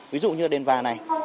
ví dụ như đền và này